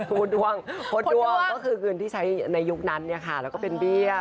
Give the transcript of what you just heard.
พุดด้วงก็คือเงินที่ใช้ในยุคนั้นค่ะแล้วก็เป็นเบี้ย